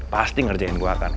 pasti ngerjain gua akan